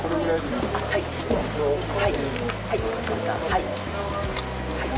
はい。